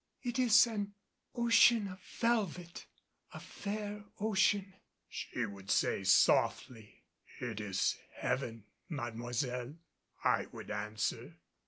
"It is an ocean of velvet, a fair ocean," she would say softly. "It is Heaven, Mademoiselle," I would answer.